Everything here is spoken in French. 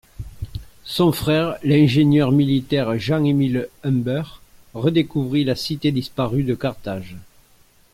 Son frère, l'ingénieur militaire Jean Emile Humbert, redécouvrit la cité disparue de Carthage.